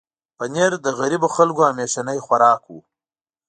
پنېر د غریبو خلکو همیشنی خوراک و.